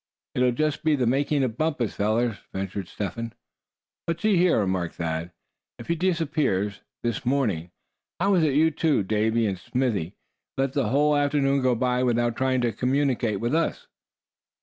"It'll just be the making of Bumpus, fellers," ventured Step Hen. "But see here," remarked Thad, "if he disappeared this morning, how is it you two, Davy and Smithy, let the whole afternoon go by without trying to communicate with us?"